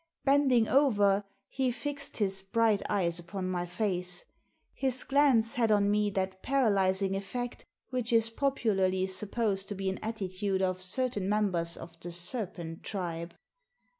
Bending over, he fixed his bright eyes upon my face. His glance had on me that paralysing effect which is popularly supposed to be an attitude of certain members of the serpent tribe.